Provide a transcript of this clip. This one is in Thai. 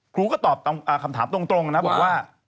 ครูก็ตอบคำถามตรงนะบอกว่า